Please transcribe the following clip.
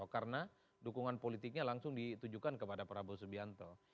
karena dukungan politiknya langsung ditujukan kepada prabowo subianto